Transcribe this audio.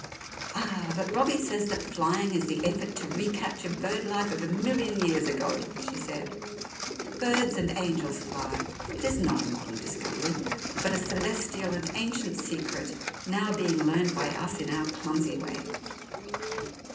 "Ah, but Robbie says that flying is the effort to recapture bird life of a million years ago," she said. "Birds and angels fly; it is not a modern discovery, but a celestial and ancient secret now being learned by us in our clumsy way.